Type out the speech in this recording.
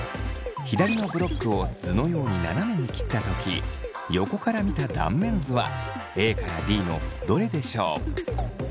左のブロックを図のように斜めに切った時横から見た断面図はＡからＤのどれでしょう？